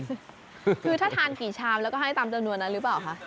คือถ้าทานกี่ชามแล้วก็ให้ตามจำนวนนั้นหรือเปล่าคะ